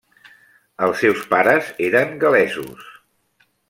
Els seus pares eren gal·lesos.